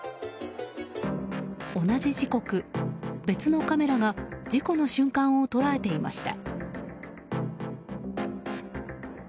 同じ時刻、別のカメラが事故の瞬間を捉えていました。